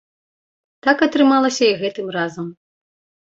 Так атрымалася і гэтым разам.